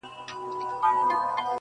چي هغه ستا سيورى له مځكي ورك سو,